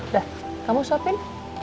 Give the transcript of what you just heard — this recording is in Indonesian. udah kamu suapin